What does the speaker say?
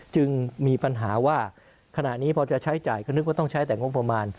จึงมีปัญหาว่าขณะนี้พอจะใช้จ่ายก็นึกว่าต้องใช้แต่งบประมาณ